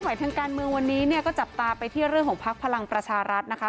ทางการเมืองวันนี้เนี่ยก็จับตาไปที่เรื่องของพักพลังประชารัฐนะคะ